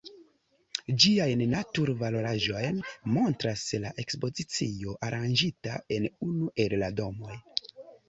Ĝiajn natur-valoraĵojn montras la ekspozicio aranĝita en unu el la domoj.